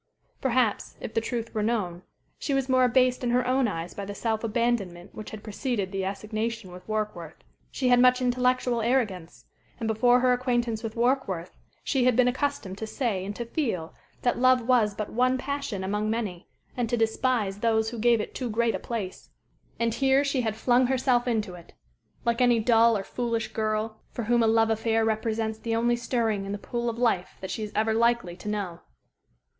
Perhaps, if the truth were known, she was more abased in her own eyes by the self abandonment which had preceded the assignation with Warkworth. She had much intellectual arrogance, and before her acquaintance with Warkworth she had been accustomed to say and to feel that love was but one passion among many, and to despise those who gave it too great a place. And here she had flung herself into it, like any dull or foolish girl for whom a love affair represents the only stirring in the pool of life that she is ever likely to know.